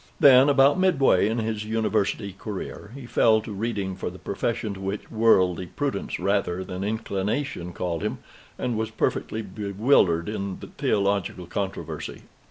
Then, about midway in his University career, he fell to reading for the profession to which worldly prudence rather than inclination called him, and was perfectly bewildered in theological controversy.